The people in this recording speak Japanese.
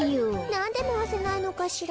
なんでまわせないのかしら。